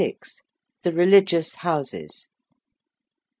THE RELIGIOUS HOUSES.